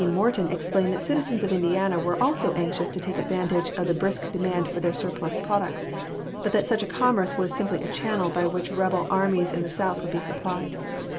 Morton explained that citizens of Indiana were also anxious to take advantage of the brisk demand for their surplus products ; but that such a commerce was simply a channel by which rebel armies in the South would be supplied.